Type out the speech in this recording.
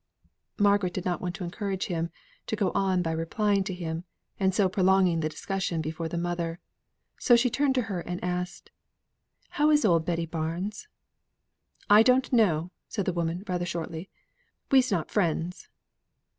Margaret did not want to encourage him to go on by replying to him, and so prolonging the discussion before the mother. So she turned to her and asked, "How is old Betty Barnes?" "I don't know," said the woman rather shortly. "We'se not friends."